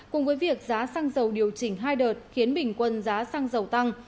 cùng với việc giá xăng dầu điều chỉnh hai đợt khiến bình quân giá xăng dầu tăng